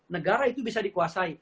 negara itu bisa dikuasai